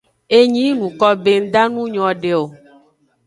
Enyi yi nuko be nda nu nyode o.